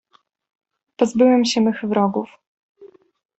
"Pozbyłem się mych wrogów."